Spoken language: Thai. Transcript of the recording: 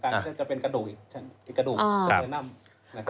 จะเป็นกระดูก